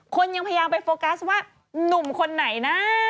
ยังพยายามไปโฟกัสว่าหนุ่มคนไหนนะ